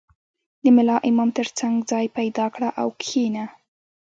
• د ملا امام تر څنګ ځای پیدا کړه او کښېنه.